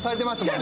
ね